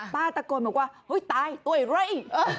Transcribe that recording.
ป้าตะโกนแบบว่าอุ๊ยตายตัวไอ้ไร้